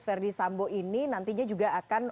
ferdisambu ini nantinya juga akan